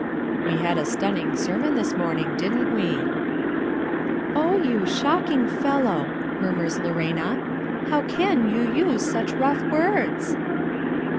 "We had a stunning sermon this morning, didn't we?" "Oh, you shocking fellow!" murmurs Lorena "How can you use such rough words?"